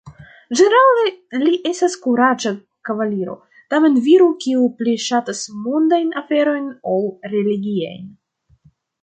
Ĝenerale li estas kuraĝa kavaliro, tamen viro kiu pli ŝatas mondajn aferojn ol religiajn.